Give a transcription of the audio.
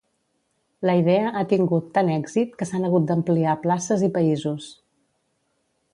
La idea ha tingut tant èxit que s'han hagut d'ampliar places i països.